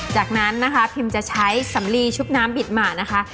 จากนั้นนะคะพิมจะใช้สำลีชุบน้ำบิดหมานะคะ